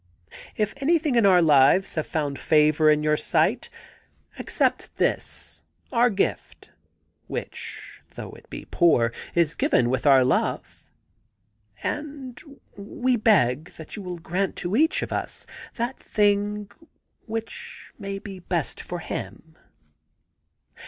If anjrthing in our lives have found favour in your sight, accept this, our gift, which, though it be poor, is given with our love ; and we beg that you will grant to each of us that thing which may be best for him.